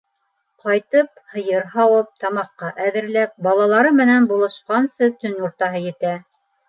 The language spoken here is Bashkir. Ҡайтып, һыйыр һауып, тамаҡҡа әҙерләп, балалары менән булашҡансы, төн уртаһы етә.